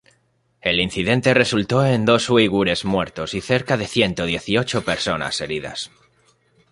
El incidente resultó en dos uigures muertos y cerca de ciento dieciocho personas heridas.